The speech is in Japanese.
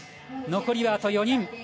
残り、あと４人。